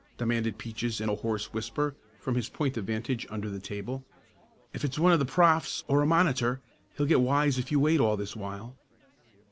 demanded Peaches in a hoarse whisper from his point of vantage under the table. "If it's one of the 'profs.' or a monitor, he'll get wise if you wait all this while."